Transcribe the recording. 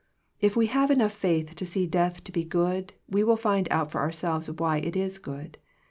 If we have enough faith to see death to be good, we will find out for ourselves why it is good.